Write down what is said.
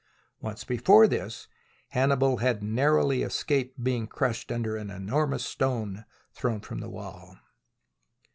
Once before this, Hannibal had narrowly escaped being crushed under an enor mous stone thrown from the wall.